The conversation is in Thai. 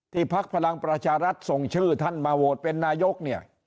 พักพลังประชารัฐส่งชื่อท่านมาโหวตเป็นนายกเนี่ย